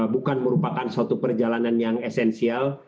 bukan merupakan suatu perjalanan yang esensial